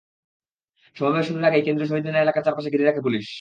সমাবেশ শুরুর আগেই কেন্দ্রীয় শহীদ মিনার এলাকার চারপাশ ঘিরে রাখে পুলিশ।